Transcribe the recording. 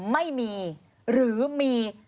ไม่มีหรือมี